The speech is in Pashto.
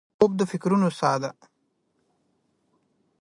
خوب د فکرونو سا ده